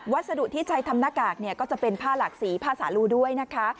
สดุที่ใช้ทำหน้ากากเนี่ยก็จะเป็นผ้าหลักสีผ้าสาลูด้วยนะคะ